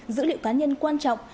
dữ liệu cá nhân quan trọng